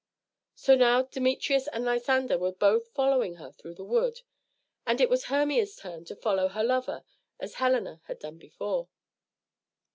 So now Demetrius and Lysander were both following her through the wood, and it was Hermia's turn to follow her lover as Helena had done before.